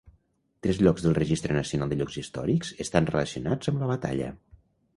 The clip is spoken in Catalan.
Tres llocs del Registre nacional de llocs històrics estan relacionats amb la batalla.